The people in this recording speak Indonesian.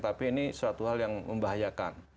tapi ini suatu hal yang membahayakan